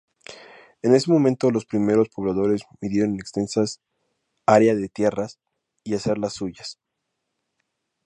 En ese momento los primeros pobladores midieron extensas área de tierras y hacerlas suyas.